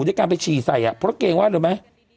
ด้วยการไปฉี่ใส่เพราะเกรงว่าอะไรไหม